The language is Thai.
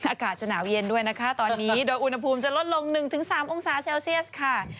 อากาศจะหนาวเย็นด้วยนะคะตอนนี้โดยอุณหภูมิจะลดลง๑๓องศาเซลเซียสค่ะ